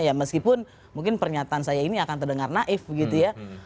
ya meskipun mungkin pernyataan saya ini akan terdengar naif begitu ya